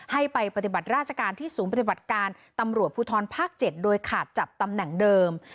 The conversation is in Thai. ให้ไปปฏิบัติราชการที่ศูนย์ปฏิบัติการตำรวจภูทรภาค๗โดยขาดจับตำแหน่งเดิม